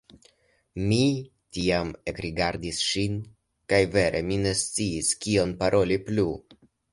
Mi tiam ekrigardis ŝin kaj vere mi ne sciis, kion paroli plu.